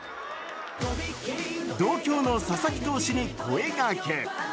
同郷の佐々木投手に声掛け。